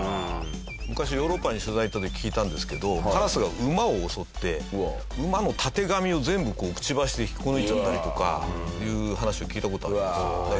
昔ヨーロッパに取材行った時聞いたんですけどカラスが馬を襲って馬のたてがみを全部こうくちばしで引っこ抜いちゃったりとかという話を聞いた事あります。